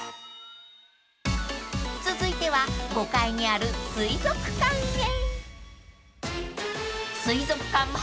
［続いては５階にある水族館へ］